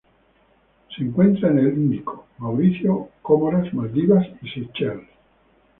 Se encuentra en el Índico: Mauricio, Comoras, Maldivas y Seychelles.